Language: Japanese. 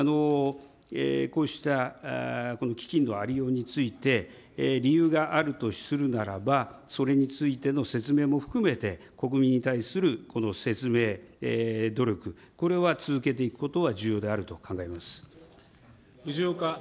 こうした基金のありようについて、理由があるとするならば、それについての説明も含めて国民に対するこの説明、努力、これは続けていくことは重要であると考えます。